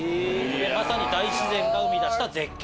まさに大自然が生み出した絶景。